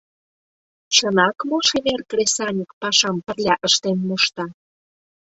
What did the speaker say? «Чынак мо шемер кресаньык пашам пырля ыштен мошта?